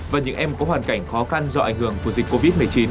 và những em có hoàn cảnh khó khăn do ảnh hưởng của dịch covid một mươi chín